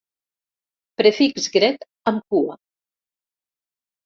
Prefix grec amb cua.